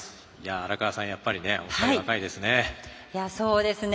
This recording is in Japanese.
荒川さん、やっぱりお二人は若いですね。